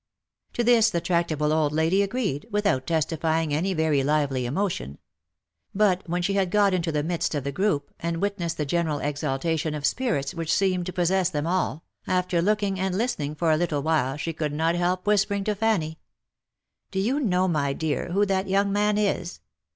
To this the tractable old lady agreed, without testifying any very lively emotion ; but when she had got into the midst of the group, and witnessed the general exaltation of spirits which seemed to possess them all, after looking and listening for a little while she could not help whispering to Fanny, " Do you know, my dear, who that young man is?